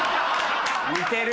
似てる。